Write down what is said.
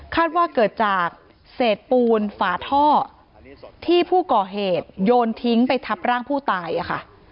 ว่าเกิดจากเศษปูนฝาท่อที่ผู้ก่อเหตุโยนทิ้งไปทับร่างผู้ตายค่ะ